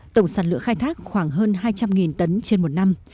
tổng sản lựa khai thác khoảng hơn hai trăm linh tấn trên một năm